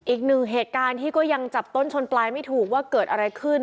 อีกหนึ่งเหตุการณ์ที่ก็ยังจับต้นชนปลายไม่ถูกว่าเกิดอะไรขึ้น